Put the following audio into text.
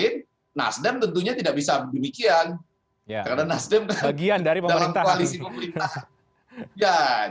nasdem tentunya tidak bisa demikian ya karena nasdem bagian dari pemerintahan